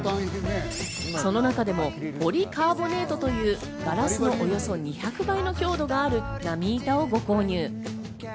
その中でもポリカーボネートというガラスのおよそ２００倍の強度がある波板をご購入。